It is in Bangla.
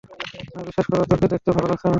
না, বিশ্বাস কর তোকে দেখতে ভালো লাগছে না!